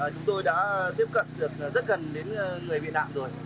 chúng tôi đã tiếp cận được rất gần đến người bị nạn rồi